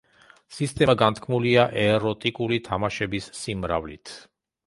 სისტემა განთქმულია ეროტიკული თამაშების სიმრავლით.